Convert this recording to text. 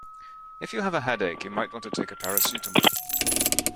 If you have a headache you might want to take a paracetamol